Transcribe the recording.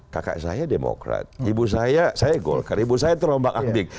kakak saya demokrat ibu saya saya golkar ibu saya terombak akbik